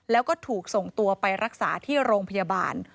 แล้วก็ถูกส่งตัวไปรักษาที่โรงพยาบาล